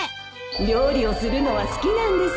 料理をするのは好きなんです